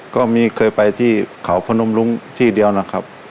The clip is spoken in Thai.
ก็มีเคยไปที่เขาพนมรุ้งที่เดียวนะครับ